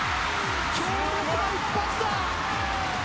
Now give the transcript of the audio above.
強烈な一発だ！